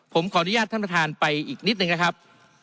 ผมขออนุญาตท่านประธานไปอีกนิดนึงนะครับ